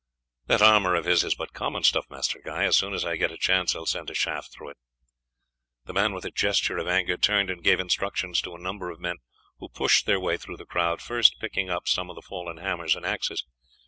"That armour of his is but common stuff, Master Guy; as soon as I get a chance I will send a shaft through it." The man with a gesture of anger turned and gave instructions to a number of men, who pushed their way through the crowd, first picking up some of the fallen hammers and axes.